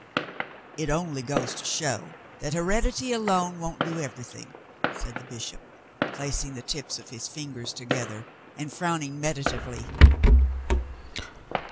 *'It onlv goes to show that hereditv alone won't do every thing," said the bishop, placing the tips of his fingers together and frowning meditatively.